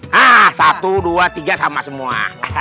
nah satu dua tiga sama semua